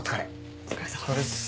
お疲れさまです。